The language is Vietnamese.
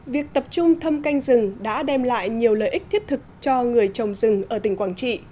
việc tập trung thăm canh rừng đã đem lại nhiều lợi ích thiết thực cho người trồng rừng ở tỉnh quảng trị